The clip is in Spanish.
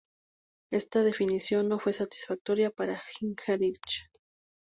Esta definición no fue satisfactoria para Gingerich.